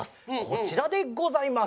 こちらでございます。